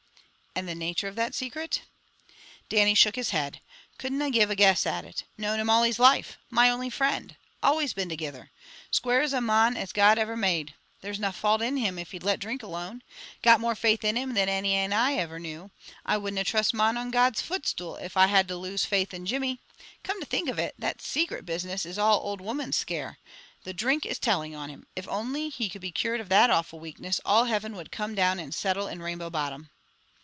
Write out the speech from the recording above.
"And the nature of that secret?" Dannie shook his head. "Couldna give a guess at it! Known him all his life. My only friend. Always been togither. Square a mon as God ever made. There's na fault in him, if he'd let drink alone. Got more faith in him than any ane I ever knew. I wouldna trust mon on God's footstool, if I had to lose faith in Jimmy. Come to think of it, that 'secret' business is all old woman's scare. The drink is telling on him. If only he could be cured of that awful weakness, all heaven would come down and settle in Rainbow Bottom."